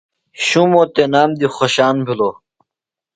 شُمو تنام دیۡ خوشان بھِلوۡ۔